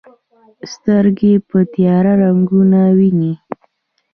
سترګې په تیاره رنګونه ویني.